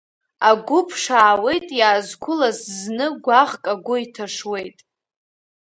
Агәы ԥшаауеит иаазқәылаз, зны гәаӷк агәы иҭашуеит.